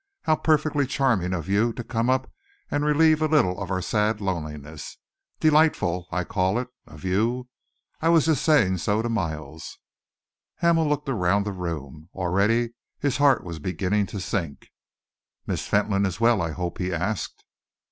"How perfectly charming of you to come up and relieve a little our sad loneliness! Delightful, I call it, of you. I was just saying so to Miles." Hamel looked around the room. Already his heart was beginning to sink. "Miss Fentolin is well, I hope?" he asked.